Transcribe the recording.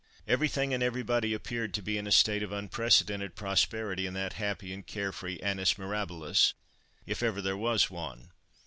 Everything and everybody appeared to be in a state of unprecedented prosperity in that happy and care free annus mirabilis if ever there was one.